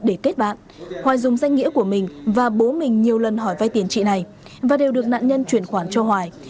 để kết bạn hoài dùng danh nghĩa của mình và bố mình nhiều lần hỏi vay tiền chị này và đều được nạn nhân chuyển khoản cho hoài